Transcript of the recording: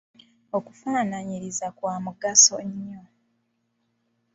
Okufaanaanyiriza kwa mugaso nnyo.